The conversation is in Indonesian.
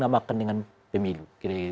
namakan dengan pemilu